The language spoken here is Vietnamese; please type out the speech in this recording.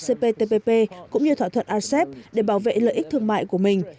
cptpp cũng như thỏa thuận asep để bảo vệ lợi ích thương mại của mình